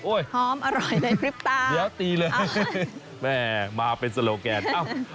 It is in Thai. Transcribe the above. อุ๊ยเดี๋ยวตีเลยแม่มาเป็นสโลแกนโอ๊ยหอมอร่อยในภิกษา